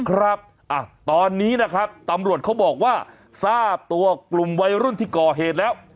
ครับตอนนี้นะครับตำรวจเขาบอกว่าทราบตัวกลุ่มวัยรุ่นที่ก่อเหตุแล้ว